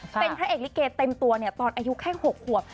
เป็นพระเอกลิเกเต็มตัวตอนอายุแค่๖ขวบ